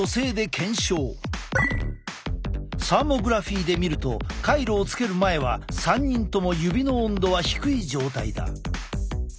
サーモグラフィーで見るとカイロをつける前は３人とも指の温度は低い状態だ。